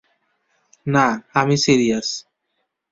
না, আমি সিরিয়াস।